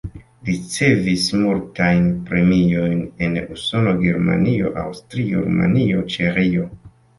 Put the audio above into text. Ricevis multajn premiojn en Usono, Germanio, Aŭstrio, Rumanio, Ĉeĥio.